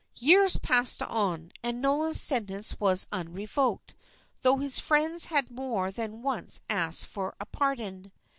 Years passed on, and Nolan's sentence was unrevoked, though his friends had more than once asked for a pardon.